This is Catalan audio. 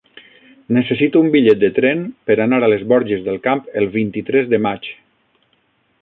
Necessito un bitllet de tren per anar a les Borges del Camp el vint-i-tres de maig.